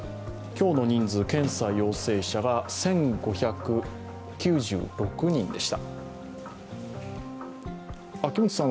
今日の人数、検査陽性者が１５９６人でした。